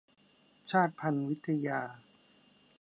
ชาติพันธุ์วิทยา